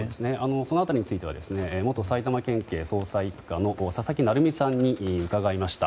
その辺りについては元埼玉県警捜査１課の佐々木成三さんに伺いました。